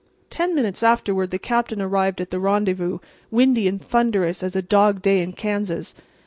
Ten minutes afterward the Captain arrived at the rendezvous, windy and thunderous as a dog day in Kansas.